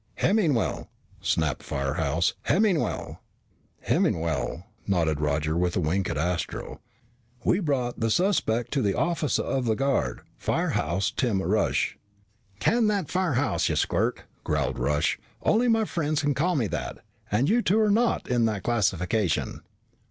"Hemmingwell," snapped Firehouse. "Hemmingwell." " Hemmingwell" nodded Roger with a wink at Astro "we brought the suspect to the officer of the guard, Firehouse Tim Rush." "Can that Firehouse, ya squirt!" growled Rush. "Only my friends can call me that. And you two are not in that classification."